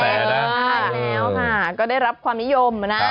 ใช่แล้วค่ะก็ได้รับความนิยมนะ